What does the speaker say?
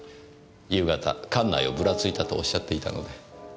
夕方館内をぶらついたとおっしゃっていたので。